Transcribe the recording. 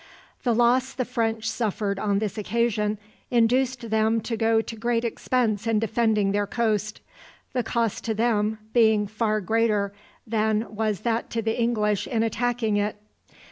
The loss the French suffered on this occasion induced them to go to great expense in defending their coast, the cost to them being far greater than was that to the English in attacking it.